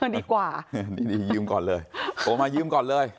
ดีกว่านี่ยืมก่อนเลยโทรมายืมก่อนเลย